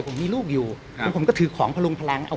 ผมมีลูกอยู่ผมก็ถือของพลุงพลัง